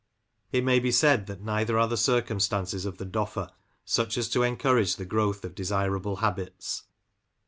It may be said that neither are the circumstances of the Doffer such as to encourage the growth of desirable habits.